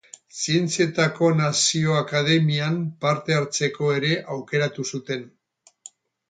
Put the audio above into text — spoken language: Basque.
Zientzietako Nazio Akademian parte hartzeko ere aukeratu zuten.